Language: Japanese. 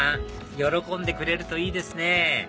喜んでくれるといいですね